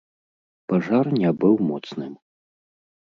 Пажар не быў моцным.